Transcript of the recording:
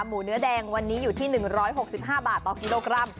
หมูเนื้อแดงวันนี้อยู่ที่๑๖๕บาทต่อกิโลกรัม